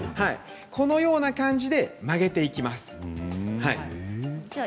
このような感じで曲げていきます。